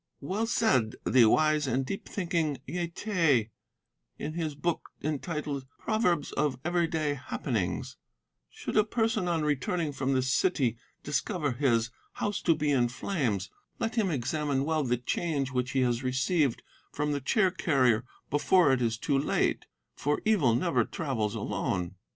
"Well said the wise and deep thinking Ye te, in his book entitled Proverbs of Everyday Happenings, 'Should a person on returning from the city discover his house to be in flames, let him examine well the change which he has received from the chair carrier before it is too late; for evil never travels alone.